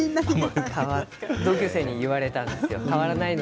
同級生に言われたんですよ。